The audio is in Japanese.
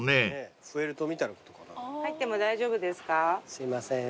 すいません。